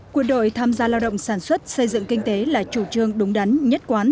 quân đội tham gia lao động sản xuất xây dựng kinh tế là chủ trương đúng đắn nhất quán